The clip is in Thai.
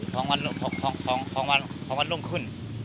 เขาบอกว่าออกจากบ้านเกินเวลา๔ทุ่มพร้อมวันลุ่มขึ้น